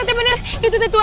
dimana bu raffa rete